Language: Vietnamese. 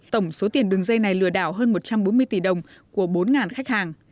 tổng số tiền đường dây này lừa đảo hơn một trăm bốn mươi tỷ đồng của bốn khách hàng